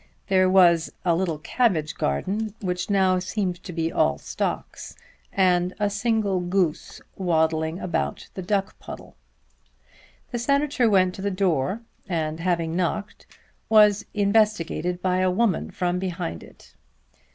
There was a little cabbage garden which now seemed to be all stalks, and a single goose waddling about the duck puddle. The Senator went to the door, and having knocked, was investigated by a woman from behind it.